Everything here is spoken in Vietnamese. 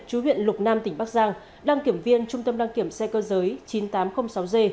chú huyện lục nam tp hcm đăng kiểm viên trung tâm đăng kiểm xe cơ giới chín nghìn tám trăm linh sáu g